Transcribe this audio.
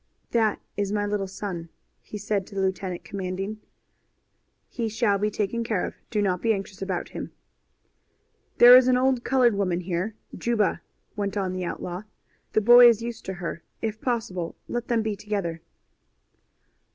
"That is my little son," he said to the lieutenant commanding. "He shall be taken care of. Do not be anxious about him." "There is an old colored woman here Juba," went on the outlaw. "The boy is used to her. If possible let them be together."